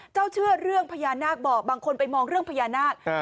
เชื่อเรื่องพญานาคบอกบางคนไปมองเรื่องพญานาค